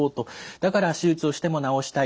だから手術をしても治したい。